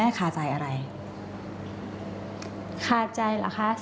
คนเป็นพ่อเป็นแม่จากเหตุการณ์ที่ลูกถูกทำร้าย